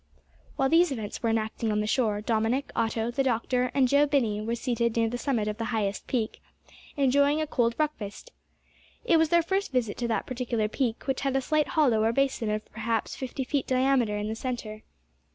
While these events were enacting on the shore, Dominick, Otto, the doctor, and Joe Binney were seated near the summit of the highest peak, enjoying a cold breakfast. It was their first visit to that particular peak, which had a slight hollow or basin of perhaps fifty feet diameter in the centre.